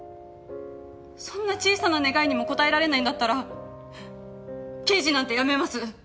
そんな小さな願いにも応えられないんだったら刑事なんて辞めます！